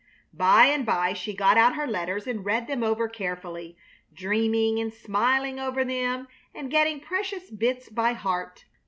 By and by she got out her letters and read them over carefully, dreaming and smiling over them, and getting precious bits by heart.